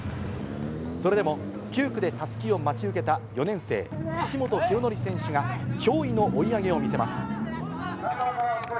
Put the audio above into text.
それでも、９区でたすきを待ち受けた４年生、岸本大紀選手が驚異の追い上げを見せます。